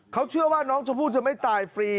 เขาเชื่อว่าน้องชมพู่จะไม่ตายฟรี